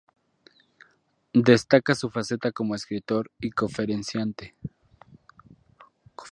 Destaca su faceta como escritor y conferenciante.